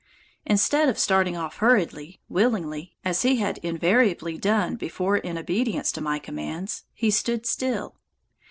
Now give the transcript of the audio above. Instead of starting off hurriedly, willingly, as he had invariably done before in obedience to my commands, he stood still.